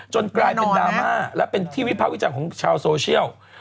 กลายเป็นดราม่าและเป็นที่วิภาควิจารณ์ของชาวโซเชียล